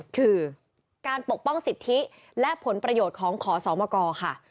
คือการปกป้องสิทธิและผลประโยชน์ของขอสมกค่ะ